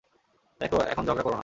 দেখো, এখন ঝগড়া করো না।